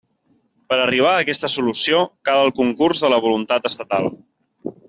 Per a arribar a aquesta solució, cal el concurs de la voluntat estatal.